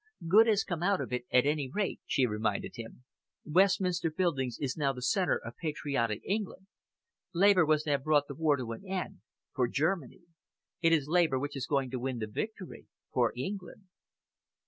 "Good has come out of it, at any rate," she reminded him. "Westminster Buildings is now the centre of patriotic England. Labour was to have brought the war to an end for Germany. It is Labour which is going to win the victory for England."